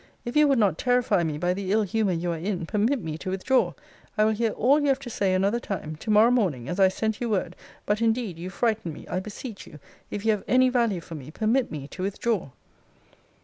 If you would not terrify me by the ill humour you are in, permit me to withdraw. I will hear all you have to say another time to morrow morning, as I sent you word. But indeed you frighten me I beseech you, if you have any value for me, permit me to withdraw.